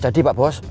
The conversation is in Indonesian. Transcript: bisa jadi pak bos